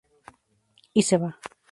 Y se va.